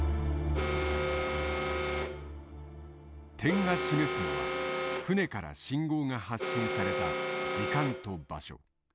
点が示すのは船から信号が発信された時間と場所。